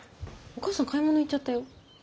お母さん買い物行っちゃったよ。